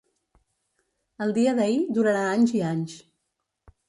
El dia d’ahir durarà anys i anys.